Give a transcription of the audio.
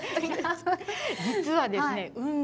実はですね